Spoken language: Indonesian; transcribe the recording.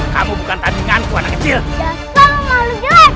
kamu bukan tadikan ku anak kecil